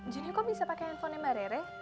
joni kok bisa pake handphone nya mbak rere